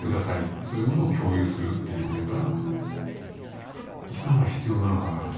そういうものを共有するっていうことが今は必要なのかなあと。